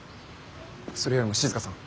それよりも静さん。